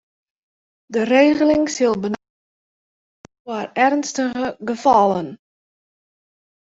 De regeling sil benammen jilde foar earnstige gefallen.